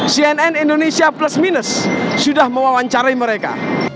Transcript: cnn indonesia plus minus sudah mewawancarai mereka